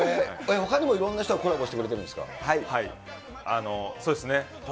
ほかにもいろんな人がコラボしてくれてるんですか？